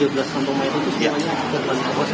tiga belas kantong mayat itu sebenarnya sudah dievakuasi